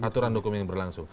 aturan hukum yang berlangsung